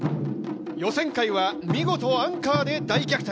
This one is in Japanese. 予選会は見事アンカーで大逆転。